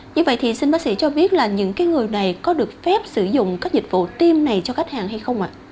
như vậy thì xin bác sĩ cho biết là những người này có được phép sử dụng các dịch vụ tiêm này cho khách hàng hay không ạ